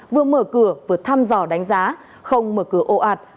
vừa mở cửa vừa thăm dò đánh giá không mở cửa ồ ạt